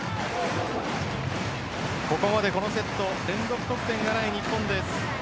ここまでこのセット連続得点がない日本です。